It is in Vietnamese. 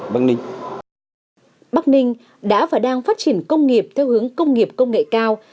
bắc ninh đã và đang phát triển công nghiệp theo hướng công nghiệp công nghệ cao